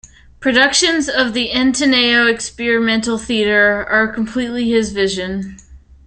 Productions of the Ateneo Experimental Theater are completely his vision.